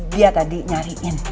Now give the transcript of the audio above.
dia tadi nyariin